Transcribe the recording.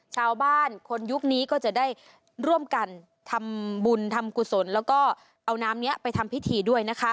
ชาวบ้านคนยุคนี้ก็จะได้ร่วมกันทำบุญทำกุศลแล้วก็เอาน้ำนี้ไปทำพิธีด้วยนะคะ